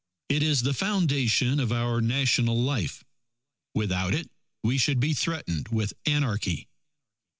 It is the foundation of our national life. Without it, we should be threatened with anarchy.